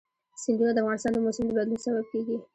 سیندونه د افغانستان د موسم د بدلون سبب کېږي.